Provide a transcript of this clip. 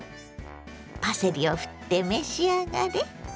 パセリをふって召し上がれ。